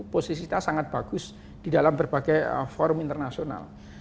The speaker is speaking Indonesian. posisi kita sangat bagus di dalam berbagai forum internasional